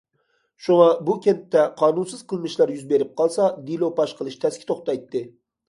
شۇڭا، بۇ كەنتتە قانۇنسىز قىلمىشلار يۈز بېرىپ قالسا، دېلو پاش قىلىش تەسكە توختايتتى.